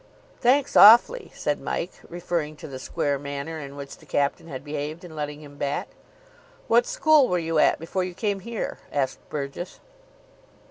"Thanks awfully," said Mike, referring to the square manner in which the captain had behaved in letting him bat. "What school were you at before you came here?" asked Burgess.